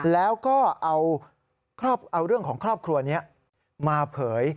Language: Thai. แล้วก็เอาเรื่องของครอบครัวนี้มาเผย